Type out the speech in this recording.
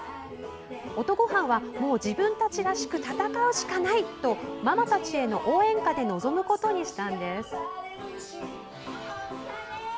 音ごはんは、もう自分たちらしく戦うしかないとママたちへの応援歌で臨むことにしました。